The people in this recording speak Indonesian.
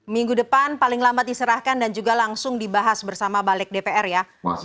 minggu depan paling lambat diserahkan dan juga langsung dibahas bersama balik dpr ya